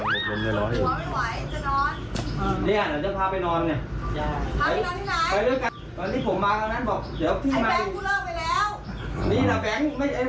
ใช่พาไปนอนแล้วพาไปนอน